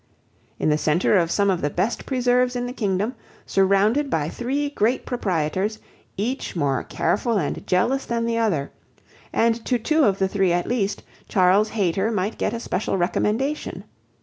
In the centre of some of the best preserves in the kingdom, surrounded by three great proprietors, each more careful and jealous than the other; and to two of the three at least, Charles Hayter might get a special recommendation.